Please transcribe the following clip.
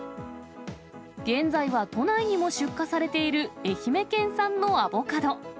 現在は都内にも出荷されている愛媛県産のアボカド。